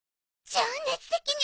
情熱的に？